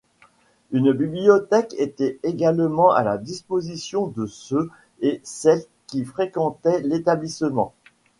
Une bibliothèque était également à la disposition de ceux et celles qui fréquentaient l’établissement.